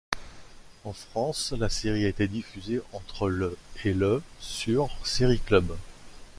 En France, la série a été diffusée entre le et le sur Série Club.